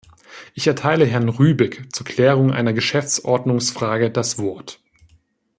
Ich erteile Herrn Rübig zur Klärung einer Geschäftsordnungsfrage das Wort.